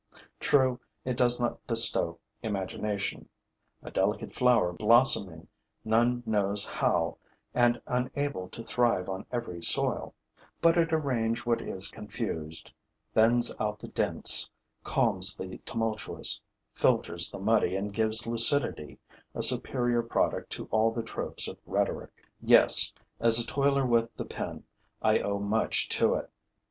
True, it does not bestow imagination, a delicate flower blossoming none knows how and unable to thrive on every soil; but it arranges what is confused, thins out the dense, calms the tumultuous, filters the muddy and gives lucidity, a superior product to all the tropes of rhetoric. Yes, as a toiler with the pen, I owe much to it.